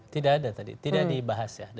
tidak ada tadi tidak dibahas ya